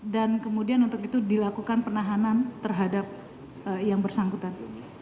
dan kemudian untuk itu dilakukan penahanan terhadap yang bersangkutan